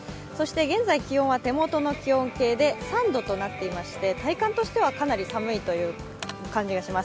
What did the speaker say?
現在、気温は手元の気温計で３度となっていまして体感としてはかなり寒いという感じがします。